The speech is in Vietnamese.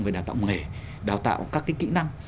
về đào tạo nghề đào tạo các kỹ năng